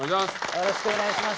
よろしくお願いします！